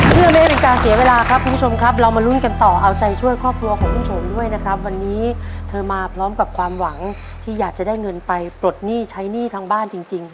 เพื่อไม่ให้เป็นการเสียเวลาครับคุณผู้ชมครับเรามาลุ้นกันต่อเอาใจช่วยครอบครัวของคุณโฉมด้วยนะครับวันนี้เธอมาพร้อมกับความหวังที่อยากจะได้เงินไปปลดหนี้ใช้หนี้ทางบ้านจริง